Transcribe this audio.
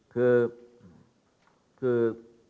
คือคือ